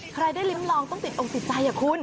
ใครได้ริมลองต้องติดอกติดใจคุณ